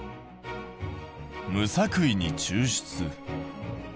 「無作為に抽出」。